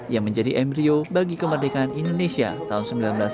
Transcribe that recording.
yang menjadi embryo bagi kemerdekaan indonesia tahun seribu sembilan ratus sembilan puluh